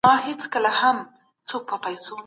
څه ډول ږغونه د تمرکز په زیاتولو کي مرسته کوي؟